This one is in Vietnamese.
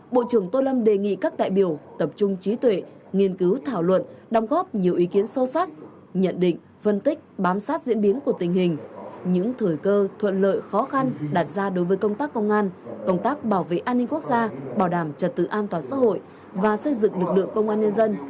bộ trưởng tô lâm đề nghị các đại biểu tập trung trí tuệ nghiên cứu thảo luận đóng góp nhiều ý kiến sâu sắc nhận định phân tích bám sát diễn biến của tình hình những thời cơ thuận lợi khó khăn đạt ra đối với công tác công an công tác bảo vệ an ninh quốc gia bảo đảm trật tự an toàn xã hội và xây dựng lực lượng công an nhân dân